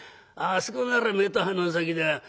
あそこなら目と鼻の先だ。